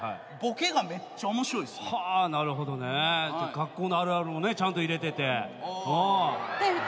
学校のあるあるもねちゃんと入れてて。